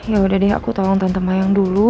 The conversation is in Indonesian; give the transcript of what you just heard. ya udah deh aku tolong tante yang dulu